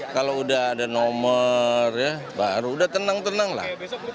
kalau udah ada nomor ya baru udah tenang tenang lah